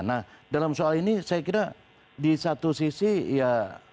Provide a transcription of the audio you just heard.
nah dalam soal ini saya kira di satu sisi ya